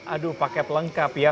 aduh paket lengkap ya